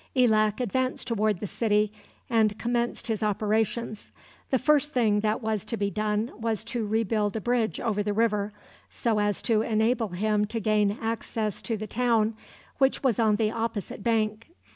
Elak advanced toward the city and commenced his operations. The first thing that was to be done was to rebuild a bridge over the river, so as to enable him to gain access to the town, which was on the opposite bank.